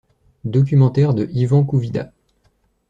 Documentaire de Yvan Couvidat.